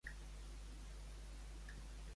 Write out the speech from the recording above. Cremar-se les sangs.